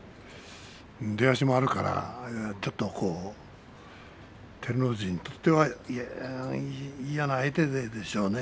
出足もあるからちょっと照ノ富士にとっては嫌な相手でしょうね。